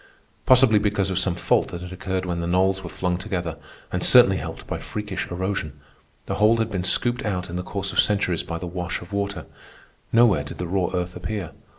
Possibly because of some fault that had occurred when the knolls were flung together, and certainly helped by freakish erosion, the hole had been scooped out in the course of centuries by the wash of water. Nowhere did the raw earth appear.